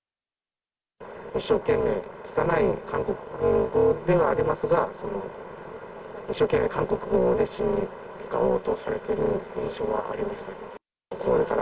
一生懸命、つたない韓国語ではありますが、一生懸命、韓国語を熱心に使おうとされてる印象はありました。